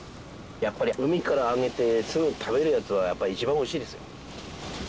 やっぱり海から揚げてすぐ食べるやつはやっぱ一番おいしいですよ。